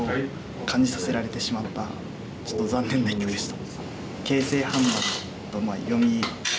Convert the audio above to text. ちょっと残念な一局でした。